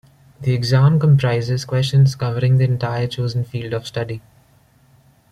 The exam comprises questions covering the entire chosen field of study.